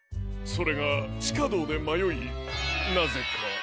それがちかどうでまよいなぜか。